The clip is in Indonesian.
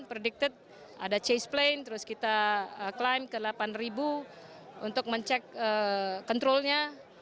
predicted ada chase plane terus kita climb ke delapan untuk mencek controlnya